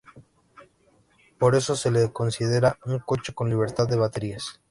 Por eso se le considera un coche con libertad de baterías.